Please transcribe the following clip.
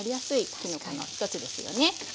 きのこの一つですよね。